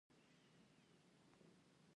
راډیوګاني دي معیاري پښتو خپروي.